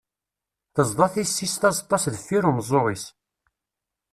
Tezḍa tisist azeṭṭa-s deffir umeẓẓuɣ-is.